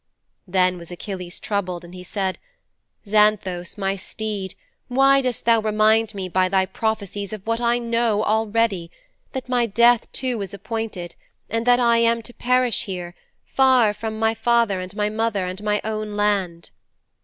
"' 'Then was Achilles troubled and he said, "Xanthos, my steed, why dost thou remind me by thy prophecies of what I know already that my death too is appointed, and that I am to perish here, far from my father and my mother and my own land."'